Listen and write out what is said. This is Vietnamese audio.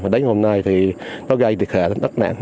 đấy hôm nay thì nó gây thiệt hệ đất nản